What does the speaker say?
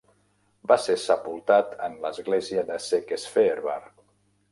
Va ser sepultat en l'església de Székesfehérvár.